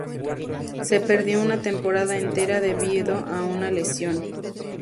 Se perdió una temporada entera debido a una lesión.